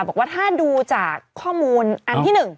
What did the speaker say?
บอกว่าถ้าดูจากข้อมูลอันที่๑